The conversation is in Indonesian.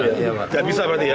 nggak bisa berarti ya